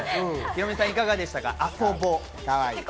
ヒロミさん、いかがでしたか？